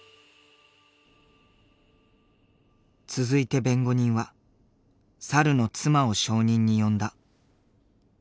続いて弁護人は猿の妻を証人に呼んだ。